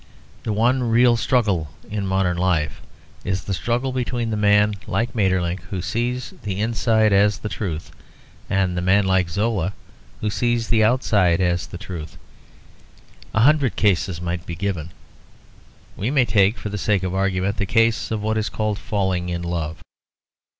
The one real struggle in modern life is the struggle between the man like Maeterlinck, who sees the inside as the truth, and the man like Zola, who sees the outside as the truth. A hundred cases might be given. We may take, for the sake of argument, the case of what is called falling in love.